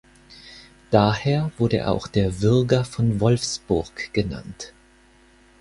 Daher wurde er auch der „Würger von Wolfsburg“ genannt.